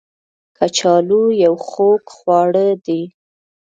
کچالو یو خوږ خواړه دی